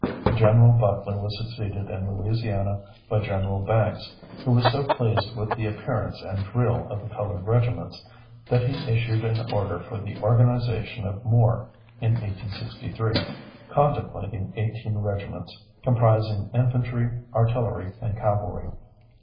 Gen. Butler was succeeded in Louisiana by General Banks, who was so pleased with the appearance and drill of the colored regiments, that he issued an order for the organization of more in 1863, contemplating 18 regiments, comprising infantry, artillery, and cavalry.